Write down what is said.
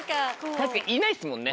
確かにいないですもんね